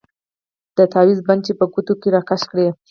د تاويز بند يې په ګوتو راکښ کړ.